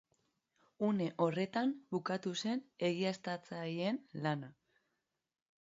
Une horretan bukatu zen egiaztatzaileen lana.